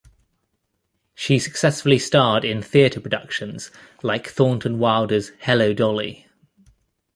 She successfully starred in theatre productions like Thornton Wilder's Hello, Dolly!